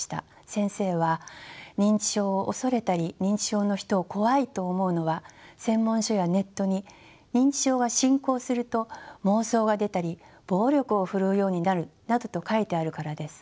先生は認知症を恐れたり認知症の人を怖いと思うのは専門書やネットに認知症が進行すると妄想が出たり暴力を振るうようになるなどと書いてあるからです。